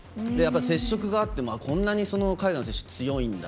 接触があってもこんなに海外の選手強いんだ。